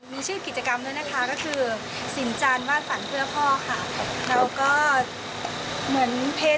มีชื่อกิจกรรมด้วยนะคะก็คือสินจานวาดฝันเพื่อพ่อค่ะ